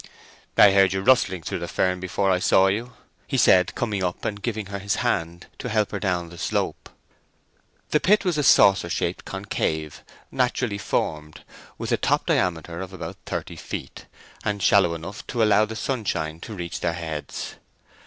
"I heard you rustling through the fern before I saw you," he said, coming up and giving her his hand to help her down the slope. The pit was a saucer shaped concave, naturally formed, with a top diameter of about thirty feet, and shallow enough to allow the sunshine to reach their heads.